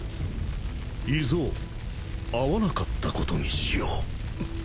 イゾウ会わなかったことにしよう。